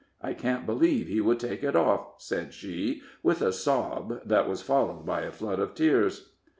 I can't believe he would take it off," said she, with a sob that was followed by a flood of tears.